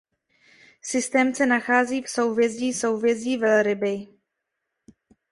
Systém se nachází v souhvězdí souhvězdí Velryby.